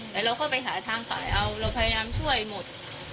แต่เราเข้าไปหาทางฝ่ายเอาเราพยายามช่วยหมด